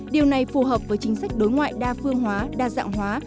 điều này phù hợp với chính sách đối ngoại đa phương hóa đa dạng hóa